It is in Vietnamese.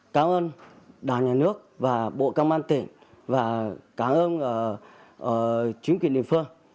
cảm ơn đảng nhà nước và bộ công an tỉnh và cảm ơn chính quyền địa phương